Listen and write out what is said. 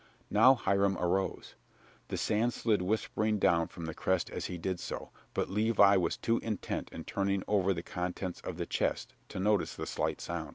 Now Hiram arose. The sand slid whispering down from the crest as he did so, but Levi was too intent in turning over the contents of the chest to notice the slight sound.